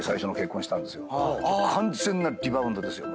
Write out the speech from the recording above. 完全なリバウンドですよ。